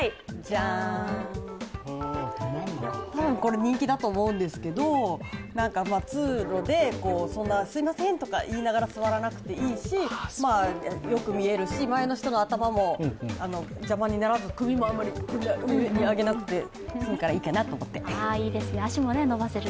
これ、人気だと思うんですけど通路で、すいませんとか言いながら座らなくていいしよく見えるし、前の人の頭も邪魔にならず、首もあまり上に上げなくて済むからいいかなと思って。